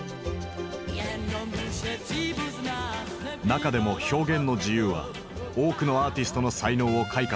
中でも表現の自由は多くのアーティストの才能を開花させた。